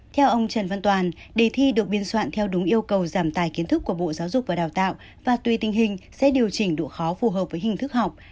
theo ông trần văn toàn đề thi được biên soạn theo đúng yêu cầu giảm tài kiến thức của bộ giáo dục và đào tạo và tùy tình hình sẽ điều chỉnh độ khó phù hợp với hình thức học